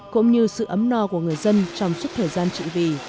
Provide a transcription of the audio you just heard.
cũng như sự ấm no của người dân trong suốt thời gian trị